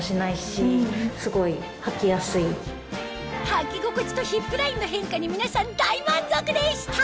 はき心地とヒップラインの変化に皆さん大満足でした！